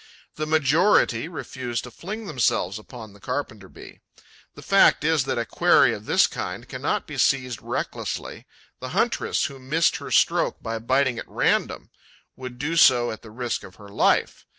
The majority refuse to fling themselves upon the Carpenter bee. The fact is that a quarry of this kind cannot be seized recklessly: the huntress who missed her stroke by biting at random would do so at the risk of her life.